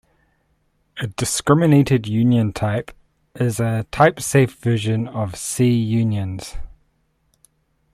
A discriminated union type is a type-safe version of C unions.